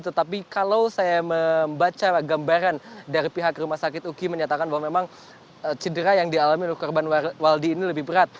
tetapi kalau saya membaca gambaran dari pihak rumah sakit uki menyatakan bahwa memang cedera yang dialami oleh korban waldi ini lebih berat